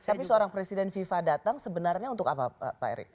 tapi seorang presiden fifa datang sebenarnya untuk apa pak erick